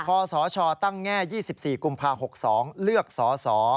พอสชตั้งแง่๒๔กุมภาคม๖๒เลือกสส